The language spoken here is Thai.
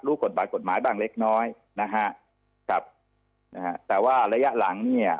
กฎหมายกฎหมายบ้างเล็กน้อยนะฮะครับนะฮะแต่ว่าระยะหลังเนี่ย